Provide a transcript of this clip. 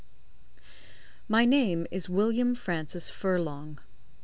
I. My name is William Francis Furlong.